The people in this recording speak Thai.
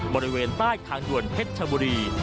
บริเวณใต้ทางด่วนเพชรชบุรี